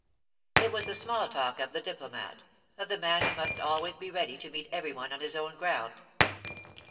It was the small talk of the diplomat, of the man who must always be ready to meet every one on his own ground.